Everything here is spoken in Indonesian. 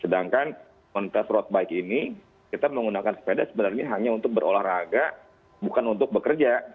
sedangkan komunitas road bike ini kita menggunakan sepeda sebenarnya hanya untuk berolahraga bukan untuk bekerja